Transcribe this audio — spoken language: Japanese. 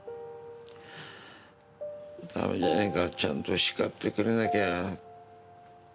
ダメじゃねえかちゃんと叱ってくれなきゃ。